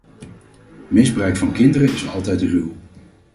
Misbruik van kinderen is altijd ruw.